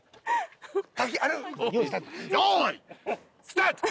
スタート！